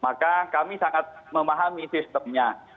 maka kami sangat memahami sistemnya